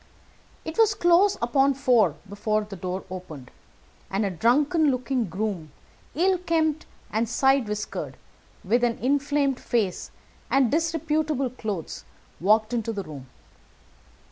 It was close upon four before the door opened, and a drunken looking groom, ill kempt and side whiskered, with an inflamed face and disreputable clothes, walked into the room.